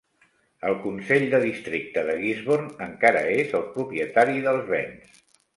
El consell de districte de Gisborne encara és el propietari dels béns.